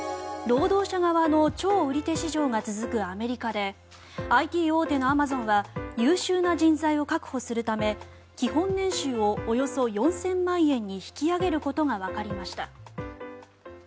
労働者側の超売り手市場が続くアメリカでＩＴ大手のアマゾンは優秀な人材を確保するため基本年収をおよそ４０００万円に引き上げることがわかりました。